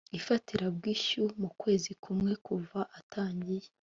ifatirabwishyu mu kwezi kumwe kuva atangiye